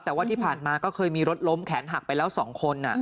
แต่ว่าที่ผ่านมาก็เคยมีรถล้มแขนหักไปแล้ว๒คน